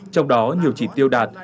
trong đó nhiều chỉ tiêu đạt